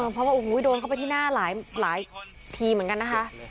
เพราะว่าโอ้โหโดนเข้าไปที่หน้าหลายทีเหมือนกันนะคะ